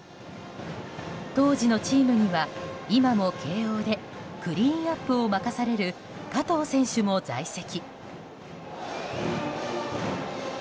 当時のチームには今も慶応でクリーンアップを任される加藤選手も在籍。